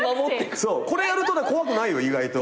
これやると怖くないよ意外と。